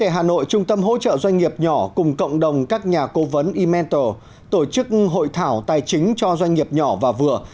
hà nội trung tâm hỗ trợ doanh nghiệp nhỏ cùng cộng đồng các nhà cố vấn imental tổ chức hội thảo tài chính cho doanh nghiệp nhỏ và vừa